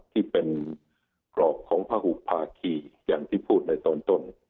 ที่เป็นกรอบของพระหุภาคีอย่างที่พูดในตอนต้น